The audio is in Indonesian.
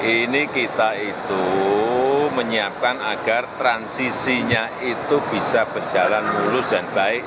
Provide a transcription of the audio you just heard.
ini kita itu menyiapkan agar transisinya itu bisa berjalan mulus dan baik